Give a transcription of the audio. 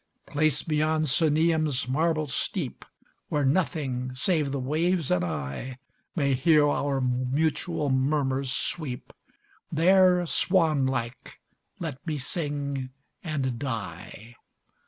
Place me on Sunium's marble steep, Where nothing, save the waves and I, May hear our mutual murmurs sweep: There, swan like, let me sing and die!